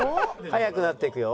「速くなっていくよ」。